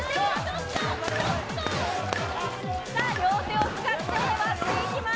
両手を使って割っていきます。